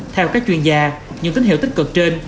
theo các chuyên gia những tín hiệu tích cực trên